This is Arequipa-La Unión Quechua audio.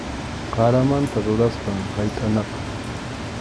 Qaramanta rurasqam haytʼanaqa.